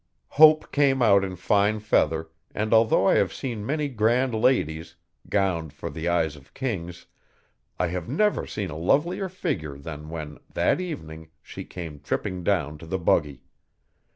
Hope came out in fine feather, and although I have seen many grand ladles, gowned for the eyes of kings, I have never seen a lovelier figure than when, that evening, she came tripping down to the buggy.